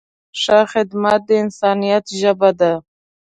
ښه خدمت د انسانیت ژبه ده.